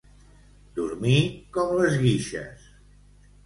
Dormir com les guixes.